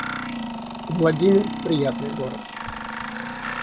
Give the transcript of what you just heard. Владимир — приятный город